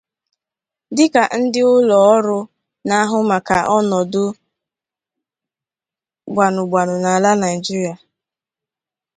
dịkà ndị ụlọ ọrụ na-ahụ maka ọnọdụ gbanụgbanụ n'ala Nigeria